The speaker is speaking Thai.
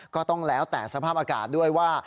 ก็ต้องแล้วแต่สภาพอากาศด้วยว่า